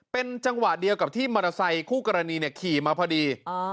เป็นจังหวะเดียวกับที่มอเตอร์ไซคู่กรณีขี่มาพอดี